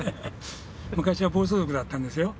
昔は暴走族だったんですよ。